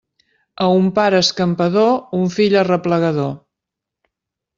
A un pare escampador, un fill arreplegador.